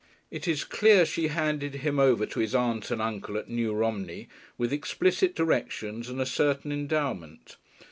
It is clear she handed him over to his aunt and uncle at New Romney with explicit directions and a certain endowment.